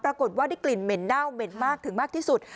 ปรากฏว่าได้กลิ่นเหม็นเน่าเหม็นมากถึงมากที่สุด